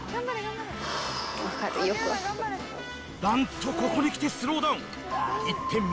なんとここに来てスローダウン。